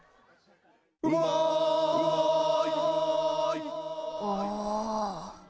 「うまい」お。